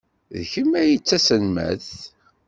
D kemm ay d taselmadt.